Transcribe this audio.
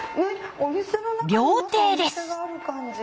料亭です。